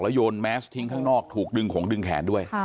โยนแมสทิ้งข้างนอกถูกดึงขงดึงแขนด้วย